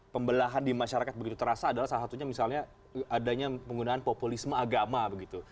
pembelahan di masyarakat begitu terasa adalah salah satunya misalnya adanya penggunaan populisme agama begitu